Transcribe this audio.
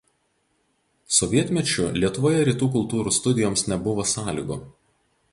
Sovietmečiu Lietuvoje Rytų kultūrų studijoms nebuvo sąlygų.